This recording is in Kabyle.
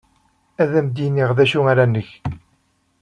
Ad am-d-iniɣ d acu ara neg.